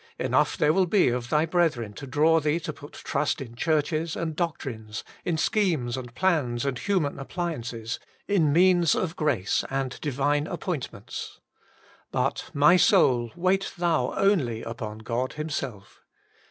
Enough there will be of thy brethren to draw thee to put trust in churches and doctrines, in schemes and plans and human appliances, in means of grace and divine appointments. Eut, *my sold, wait thou only upon God Himself.'